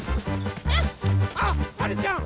あっはるちゃん！